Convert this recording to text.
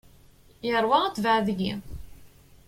Yerwa atbaɛ deg-i.